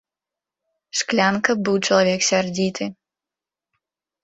Шклянка быў чалавек сярдзіты.